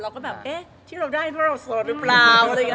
เราก็แบบเอ๊ะที่เราได้ว่าเราโสดหรือเปล่า